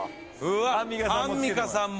アンミカさんも。